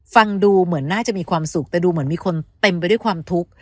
ฟังดูเหมือนน่าจะมีความสุขแต่ดูเหมือนมีคนเต็มไปด้วยความทุกข์